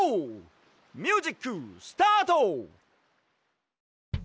ミュージックスタート！